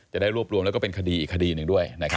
จะได้รวบรวมแล้วก็เป็นคดีอีกคดีหนึ่งด้วยนะครับ